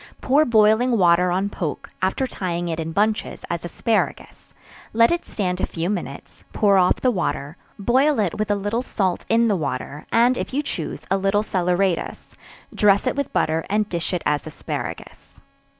Pour boiling water on poke, after tying it in bunches, as asparagus, let it stand a few minutes; pour off the water; boil it with a little salt in the water, and if you choose a little salaeratus; dress it with butter, and dish it as asparagus.